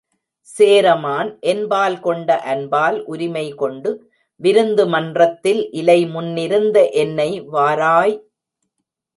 சேரமான், என்பால் கொண்ட அன்பால் உரிமைகொண்டு, விருந்து மன்றத்தில் இலைமுன்னிருந்த என்னை வாராய்!